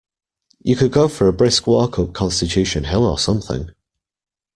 You could go for a brisk walk up Constitution Hill or something.